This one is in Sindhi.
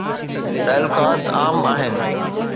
تعلقات عام آهن.